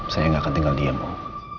saya gak akan tinggal diam om